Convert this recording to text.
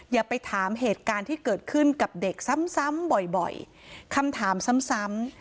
อย่าไปถามเหตุการณ์ที่เกิดขึ้นกับเด็กซ้ำซ้ำบ่อยคำถามซ้ำ